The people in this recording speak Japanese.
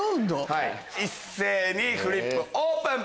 一斉にフリップオープン！